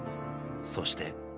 そして。